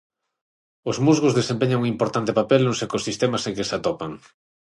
Os musgos desempeñan un importante papel nos ecosistemas en que se atopan.